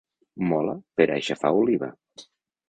Mola per a aixafar oliva.